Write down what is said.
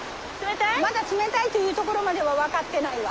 まだ冷たいという所までは渡ってないわ。